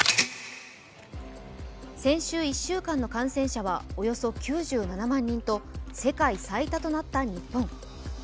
先週１週間の感染者は、およそ９７万人と世界最多となった日本。